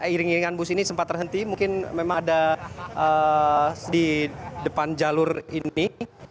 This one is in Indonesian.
iring iringan bus ini sempat terhenti mungkin memang ada di depan jalur ini